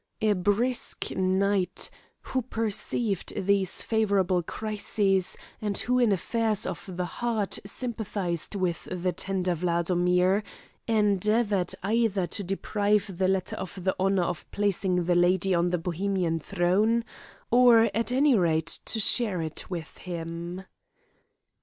A brisk knight, who perceived these favourable crises, and who in affairs of the heart sympathised with the tender Wladomir, endeavoured either to deprive the latter of the honour of placing the lady on the Bohemian throne, or at any rate to share it with him.